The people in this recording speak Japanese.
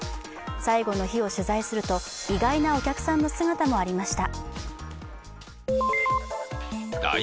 最後の日を取材すると意外なお客さんの姿もありました。